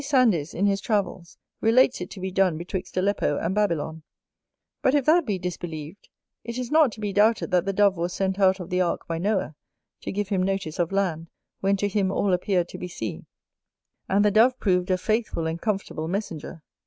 Sandys, in his Travels, relates it to be done betwixt Aleppo and Babylon, But if that be disbelieved, it is not to be doubted that the Dove was sent out of the ark by Noah, to give him notice of land, when to him all appeared to be sea; and the Dove proved a faithful and comfortable messenger.